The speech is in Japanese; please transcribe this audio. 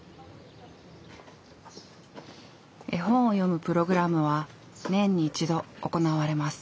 絵本を読むプログラムは年に１度行われます。